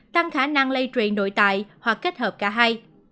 tăng khả năng lây truyền nội tại hoặc kết hợp cả hai